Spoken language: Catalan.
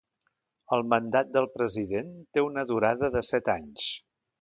El mandat del president té una durada de set anys.